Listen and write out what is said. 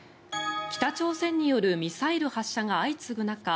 北朝鮮によるミサイル発射が相次ぐ中